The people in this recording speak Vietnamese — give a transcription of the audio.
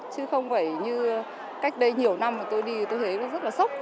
chứ không phải như cách đây nhiều năm mà tôi đi tôi thấy rất là sốc